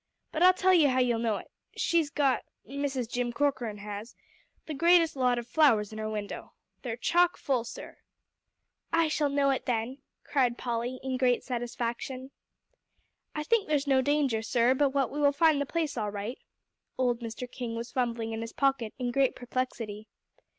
But I tell you how you'll know it. She's got Mrs. Jim Corcoran has the greatest lot of flowers in her window. They're chock full, sir." "I shall know it, then," cried Polly in great satisfaction. "I think there's no danger, sir, but what we will find the place all right." Old Mr. King was fumbling in his pocket in great perplexity.